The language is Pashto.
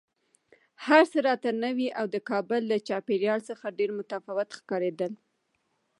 هر څه راته نوي او د کابل له چاپېریال څخه ډېر متفاوت ښکارېدل